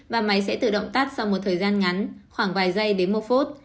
và máy sẽ tự động tắt sau một thời gian ngắn khoảng vài giây đến một phút